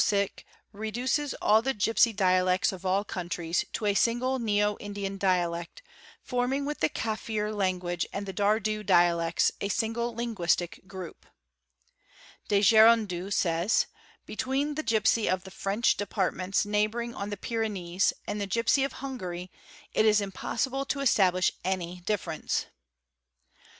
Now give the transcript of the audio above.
IBY IRE SEM 354 WANDERING TRIBES reduces all the gipsy dialects of all countries to a single neo Indian dialect, forming with the Cafir language and the Dardu dialects a single — linguistic group®®, De Gerandu says—' between the gipsy of the French — departments neighbouring on the Pyrenees and the gipsy of Hungary it — is impossible to establish any difference."